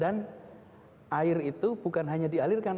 dan air itu bukan hanya dialirkan